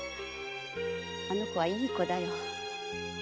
あの子はいい子だよ。